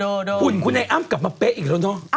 หุ่นคุณไอ้อ้ำกลับมาเป๊ะอีกแล้วเนอะ